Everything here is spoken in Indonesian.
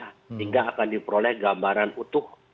sehingga akan diperoleh gambaran utuh